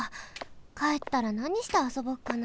かえったらなにしてあそぼっかな。